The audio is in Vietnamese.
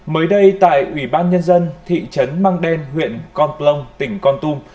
mới đây tại ủy ban nhân dân thị trấn mang đen huyện con plong tỉnh con tum